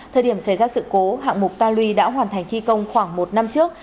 thời điểm xảy ra sự cố hạng mục ta luy đã hoàn thành thi công khoảng một năm trước